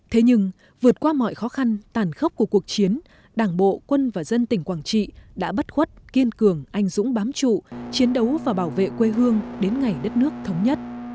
thế nhưng vượt qua mọi khó khăn tàn khốc của cuộc chiến đảng bộ quân và dân tỉnh quảng trị đã bắt khuất kiên cường anh dũng bám trụ chiến đấu và bảo vệ quê hương đến ngày đất nước thống nhất